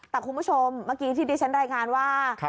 แต่คุณผู้ชมเมื่อกี้ที่ดิฉันรายงานว่า